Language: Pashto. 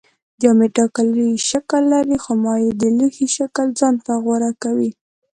جامد ټاکلی شکل لري خو مایع د لوښي شکل ځان ته غوره کوي